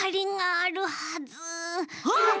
あっ！